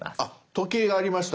時計がありました。